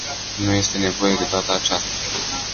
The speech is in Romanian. Nu este nevoie de data aceasta.